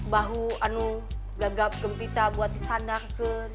bahwa itu gagap gempita buat disandarkan